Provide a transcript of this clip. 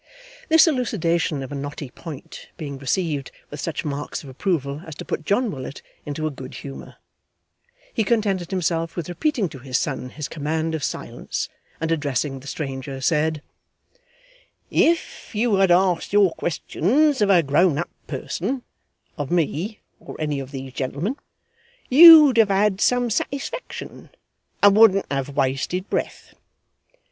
This elucidation of a knotty point being received with such marks of approval as to put John Willet into a good humour, he contented himself with repeating to his son his command of silence, and addressing the stranger, said: 'If you had asked your questions of a grown up person of me or any of these gentlemen you'd have had some satisfaction, and wouldn't have wasted breath.